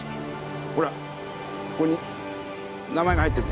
ほらここに名前が入ってる。